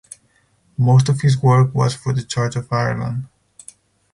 Most of his work was for the Church of Ireland.